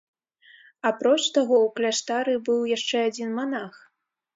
Апроч таго, у кляштары быў яшчэ адзін манах.